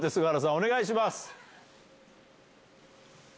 お願いします。